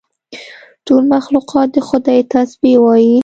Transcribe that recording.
ټول مخلوقات د خدای تسبیح وایي.